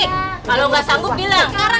kalau gak sanggup bilang